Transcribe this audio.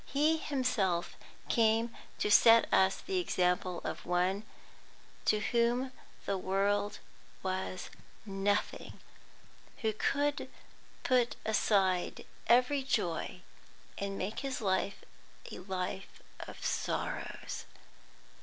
He Himself came to set us the example of one to whom the world was nothing, who could put aside every joy, and make His life a life of sorrows.